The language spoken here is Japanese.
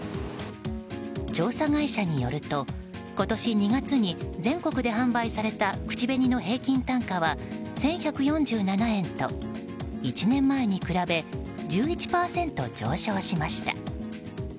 調査会社によると今年２月に全国で販売された口紅の平均単価は１１４７円と１年前に比べ１１％上昇しました。